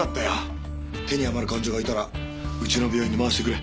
手に余る患者がいたらうちの病院に回してくれ。